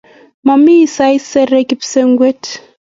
Mami saisere kipsengwet